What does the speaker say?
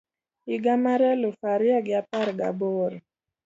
higa mar eluf ario gi apar gi aboro